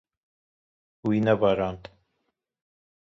Wî nebarand.